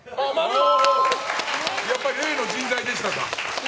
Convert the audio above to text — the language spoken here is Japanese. やっぱ例の人材でしたか。